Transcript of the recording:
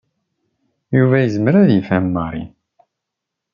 Yuba yezmer ad yefhem Mary.